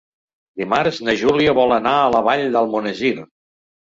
Dimarts na Júlia vol anar a la Vall d'Almonesir.